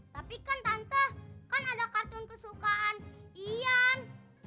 tapi kan tante kan ada kartun kesukaan ian